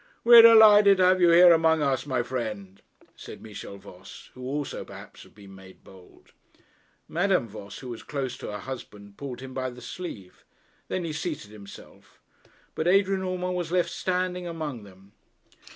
'We are delighted to have you here among us, my friend,' said Michel Voss, who also, perhaps, had been made bold. Madame Voss, who was close to her husband, pulled him by the sleeve. Then he seated himself, but Adrian Urmand was left standing among them.